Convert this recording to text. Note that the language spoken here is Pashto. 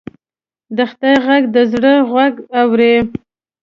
د خدای غږ د زړه غوږ اوري